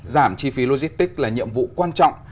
giảm chi phí logistics là nhiệm vụ quan trọng